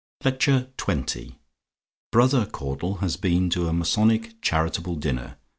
LECTURE XX "BROTHER" CAUDLE HAS BEEN TO A MASONIC CHARITABLE DINNER.